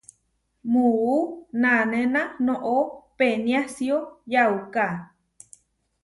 Muú nanéna noʼó peniásio yauká.